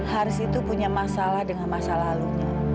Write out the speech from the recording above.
haris itu punya masalah dengan masa lalu